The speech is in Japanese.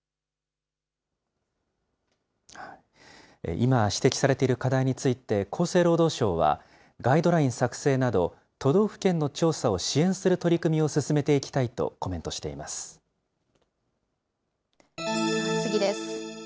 今、指摘されている課題について、厚生労働省は、ガイドライン作成など、都道府県の調査を支援する取り組みを進めていきたいとコメントし次です。